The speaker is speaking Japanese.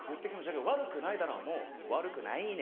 「悪くないだろう」も「悪くないぃね」